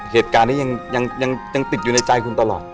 เหตุการณ์นี้ยังติดอยู่ในใจคุณตลอด